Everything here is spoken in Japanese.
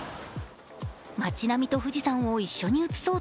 町並みと富士山を一緒に映そう